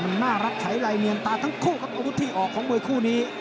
น่ารักไขล่เนียนตาทั้งคู่กับอุทธิออกของมวยคู่นี้